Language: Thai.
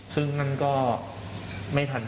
คือมันก็ไม่ทันนะ